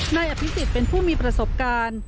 นายอภิษฎเป็นผู้มีประสบการณ์